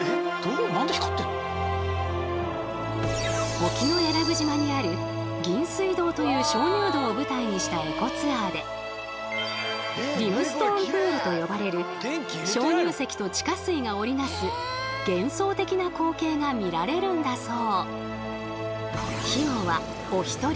沖永良部島にある銀水洞という鍾乳洞を舞台にしたエコツアーでリムストーンプールと呼ばれる鍾乳石と地下水が織り成す幻想的な光景が見られるんだそう。